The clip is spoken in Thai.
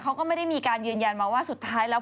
เขาก็ไม่ได้มีการยืนยันมาว่าสุดท้ายแล้ว